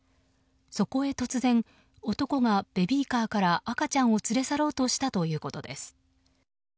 そこへ突然、男がベビーカーから赤ちゃんを連れ去ろうとしたということです。